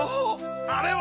あれは。